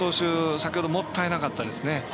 先ほどもったいなかったですね。